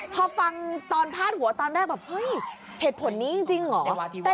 พอฟังตอนพาดหัวตอนแรกแบบเฮ้ยเหตุผลนี้จริงเหรอ